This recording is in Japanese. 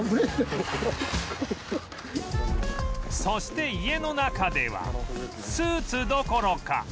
そして家の中ではスーツどころか